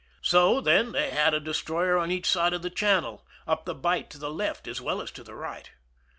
So, then, they had a de stroyer on each side of the channel, up the bight to the left as well as to the right